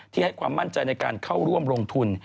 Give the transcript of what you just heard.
ให้ความมั่นใจในการเข้าร่วมลงทุน